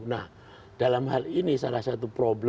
nah dalam hal ini saya kira itu juga masalah kiai